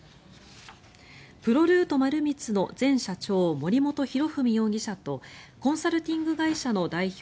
プロルート丸光の前社長森本裕文容疑者とコンサルティング会社の代表